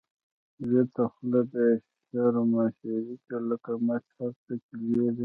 ويته خوله بی شرمه شرګی، لکه مچ هر څه کی لويږی